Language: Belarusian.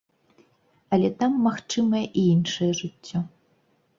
Але там магчымае і іншае жыццё.